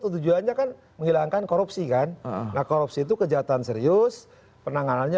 tujuannya kan menghilangkan korupsi kan nah korupsi itu kejahatan serius penanganannya